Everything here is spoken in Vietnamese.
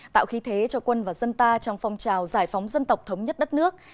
tạo khí thế cho quân và dân ta trong phong trào giải phóng dân tộc thống nhất đất nước